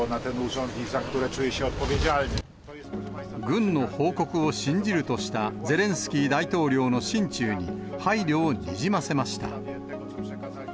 軍の報告を信じるとしたゼレンスキー大統領の心中に配慮をにじませました。